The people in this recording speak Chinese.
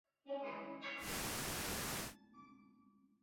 该物种的模式产地在俄罗斯乌里扬诺夫斯克。